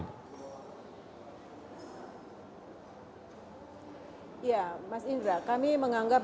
ya mas indra kami menganggap